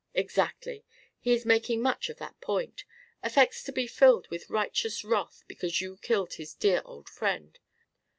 "Exactly. He is making much of that point. Affects to be filled with righteous wrath because you killed his dear old friend.